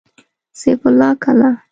سيف الله کلا